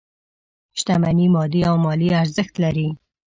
شتمني مادي او مالي ارزښت لري.